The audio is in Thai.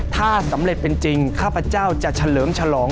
ถ้าสำเร็จเป็นจริงข้าพเจ้าจะเฉลิมฉลอง